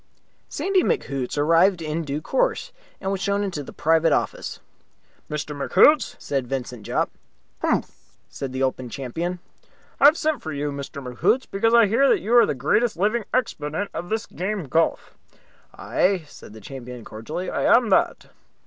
Sandy McHoots arrived in due course, and was shown into the private office. "Mr. McHoots?" said Vincent Jopp. "Mphm!" said the Open Champion. "I have sent for you, Mr. McHoots, because I hear that you are the greatest living exponent of this game of golf." "Aye," said the champion, cordially. "I am that."